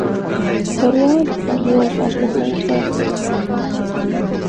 ښوروا د سبو او غوښو ګډ ذوق دی.